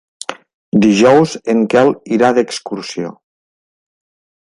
Dijous en Quel irà d'excursió.